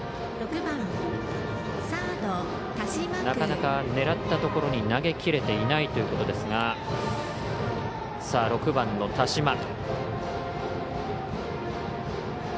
なかなか、狙ったところに投げ切れていないということですが６番の田嶋。